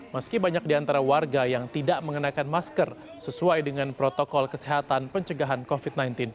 meski banyak di antara warga yang tidak mengenakan masker sesuai dengan protokol kesehatan pencegahan covid sembilan belas